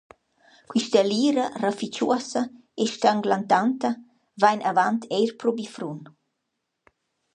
Quista lira rafichuossa e stanglantanta vain avant eir pro Bifrun.